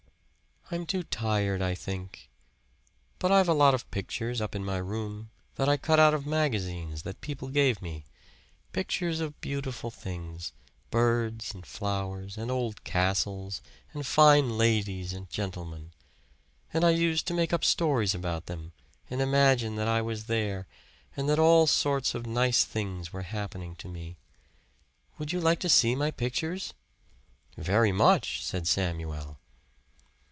"I'm too tired, I think. But I've a lot of pictures up in my room that I cut out of magazines that people gave me. Pictures of beautiful things birds and flowers, and old castles, and fine ladies and gentlemen. And I used to make up stories about them, and imagine that I was there, and that all sorts of nice things were happening to me. Would you like to see my pictures?" "Very much," said Samuel.